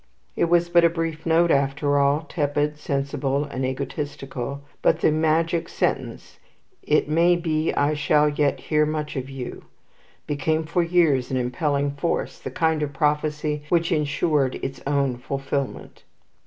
It was but a brief note after all, tepid, sensible, and egotistical; but the magic sentence, "It may be I shall yet hear much of you," became for years an impelling force, the kind of prophecy which insured its own fulfilment.